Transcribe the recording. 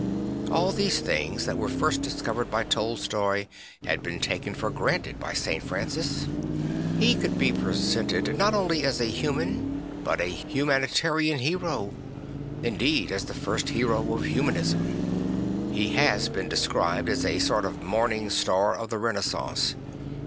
All those things that were first discovered by Tolstoy had been taken for granted by St. Francis. He could be presented, 7 8 St. Francis of Assisi not only as a human but a humanitarian hero; indeed as the first hero of humanism. He has been described as a sort of morning star of the Renaissance.